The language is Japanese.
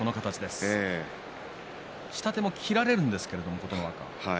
下手も切られるんですけれど琴ノ若。